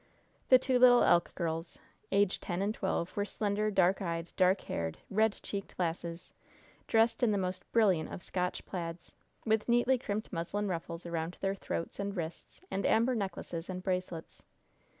The two little Elk girls, aged ten and twelve, were slender, dark eyed, dark haired, red cheeked lasses, dressed in the most brilliant of Scotch plaids, with neatly crimped muslin ruffles around their throats and wrists and amber necklaces and bracelets.